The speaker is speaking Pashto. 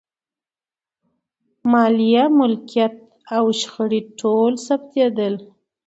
مالیه، ملکیت او شخړې ټول ثبتېدل.